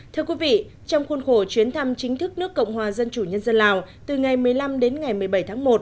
thưa quý vị trong khuôn khổ chuyến thăm chính thức nước cộng hòa dân chủ nhân dân lào từ ngày một mươi năm đến ngày một mươi bảy tháng một